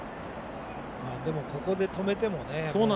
ここで止めてもね。